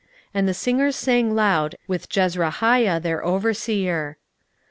And the singers sang loud, with Jezrahiah their overseer.